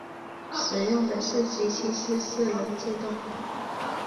使用的是机械式四轮制动。